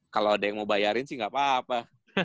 kalau ada yang mau bayarin sih gak apa apa